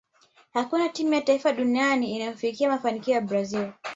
hakuna timu ya taifa duniani inayofikia mafanikio ya brazil